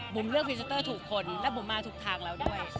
บุ๋มเลือกฟิลเซอร์ถูกคนและบุ๋มมาถูกทางเราด้วย